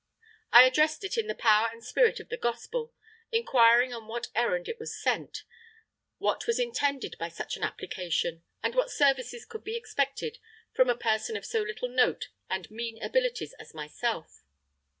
"I addressed it in the power and spirit of the Gospel; inquiring on what errand it was sent; what was intended by such an application, and what services could be expected from a person of so little note and mean abilities as myself.